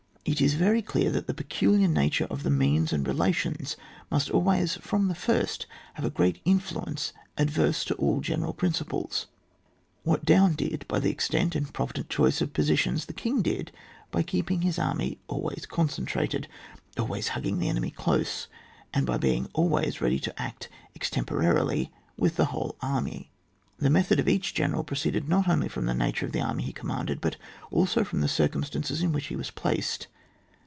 It is very clear that the peculiar nature of the means and the relations must always from the first have a great influ ence adverse to all general principles. What Daun did by the extent and pro vident choice of positions, the king did by keeping his army always concentrated, always hugging the enemy close, and by being always ready to act extemporally with his whole army. The method of each general proceeded not only from the nature of the army he conmianded, but also from the circumstances in which he was placed.